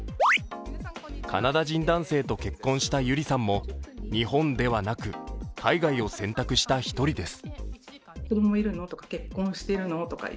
カナダ人男性と結婚したゆりさんも、日本ではなく、海外を選択した一人です。